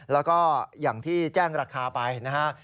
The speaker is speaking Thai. แล้วก็อย่างที่แจ้งราคาไปนะฮะ